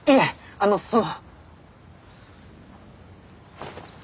あのその。